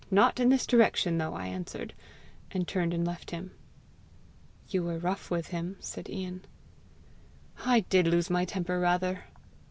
not in this direction though,' I answered, and turned and left him." "You were rough with him!" said Ian. "I did lose my temper rather."